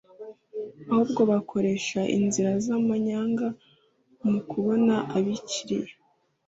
ahubwo “bakoresha inzira z’amanyanga mu kubona abakiliya